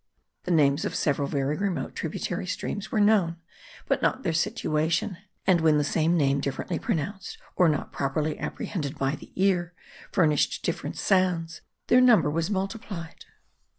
The names of several very remote tributary streams were known, but not their situation; and when the same name, differently pronounced, or not properly apprehended by the ear, furnished different sounds, their number was multiplied.